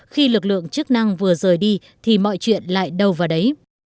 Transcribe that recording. khi lực lượng chức năng vừa rời đi thì mọi chuyện lại đầu vào đấy